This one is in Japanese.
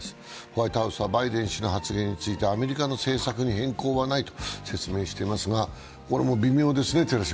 ホワイトハウスはバイデン氏の発言についてアメリカの政策に変更はないと説明していますがこれ微妙ですね。